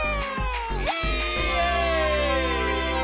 イエーイ！